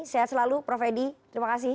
sehat selalu prof edi terima kasih